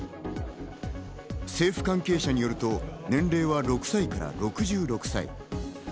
政府関係者によると、年齢は６歳から６６歳。